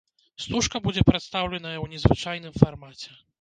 Стужка будзе прадстаўленая ў незвычайным фармаце.